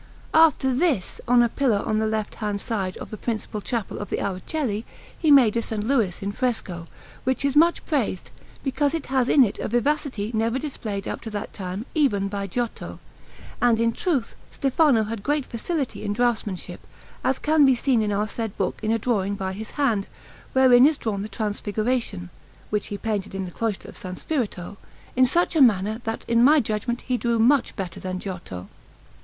After this, on a pillar on the left hand side of the principal chapel of the Araceli, he made a S. Louis in fresco, which is much praised, because it has in it a vivacity never displayed up to that time even by Giotto. And in truth Stefano had great facility in draughtsmanship, as can be seen in our said book in a drawing by his hand, wherein is drawn the Transfiguration (which he painted in the cloister of S. Spirito), in such a manner that in my judgment he drew much better than Giotto.